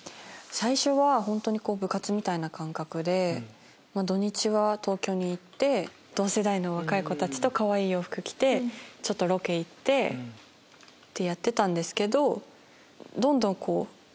最初は本当に部活みたいな感覚で土日は東京に行って同世代の若い子たちとかわいい洋服着てちょっとロケ行ってってやってたんですけど。